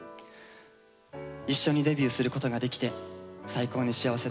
一緒にデビューすることができて最高に幸せだよ。